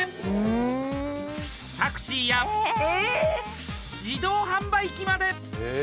タクシーや自動販売機まで。